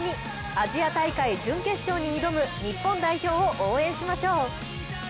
アジア大会、準決勝に挑む日本代表を応援しましょう。